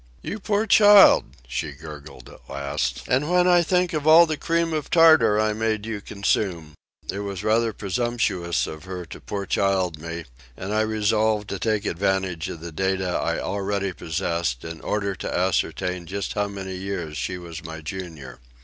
"You poor child," she gurgled at last. "And when I think of all the cream of tartar I made you consume!" It was rather presumptuous of her to poor child me, and I resolved to take advantage of the data I already possessed in order to ascertain just how many years she was my junior.